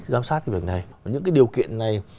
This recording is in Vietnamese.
giám sát việc này những cái điều kiện này